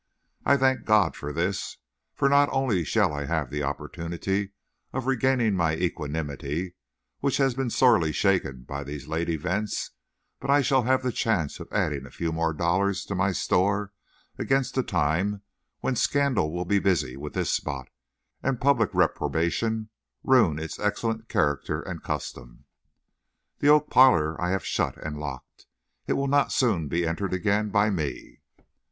I thank God for this. For not only shall I thus have the opportunity of regaining my equanimity, which has been sorely shaken by these late events, but I shall have the chance of adding a few more dollars to my store, against the time when scandal will be busy with this spot, and public reprobation ruin its excellent character and custom. The oak parlor I have shut and locked. It will not be soon entered again by me.